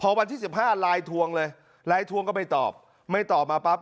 พอวันที่สิบห้าไลน์ทวงเลยไลน์ทวงก็ไม่ตอบไม่ตอบมาปั๊บ